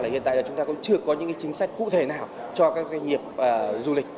hiện tại chúng ta cũng chưa có những chính sách cụ thể nào cho các doanh nghiệp du lịch